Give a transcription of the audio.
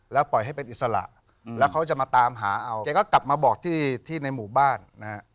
แล้วปล่อยให้เป็นอิสระแล้วเขาจะมาตามหาเอาแกก็กลับมาบอกที่ที่ในหมู่บ้านนะฮะ